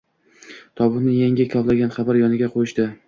Tobutni yangi kovlangan qabr yoniga qoʻyishdi.